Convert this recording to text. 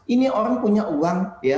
ini orang punya uang